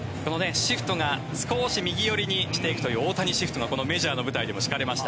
シフトが少し右寄りにしていくという大谷シフトがこのメジャーでも敷かれました。